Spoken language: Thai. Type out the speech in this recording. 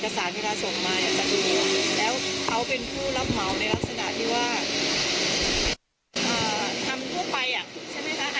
ใครบังตัวแกไม่เคยกลับมาเท่าที่เคยเจอบ้านนะ